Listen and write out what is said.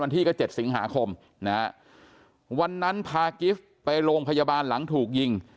ที่ก็๗สิงหาคมนะฮะวันนั้นพากิฟต์ไปโรงพยาบาลหลังถูกยิง